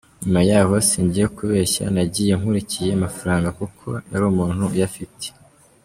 Nyuma yaho, singiye kubeshya nagiye nkurikiye amafaranga kuko yari umuntu uyafite.